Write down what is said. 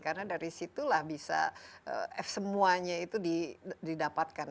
karena dari situlah bisa semuanya itu didapatkan